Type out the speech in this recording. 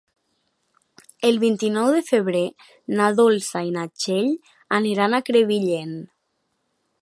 El vint-i-nou de febrer na Dolça i na Txell aniran a Crevillent.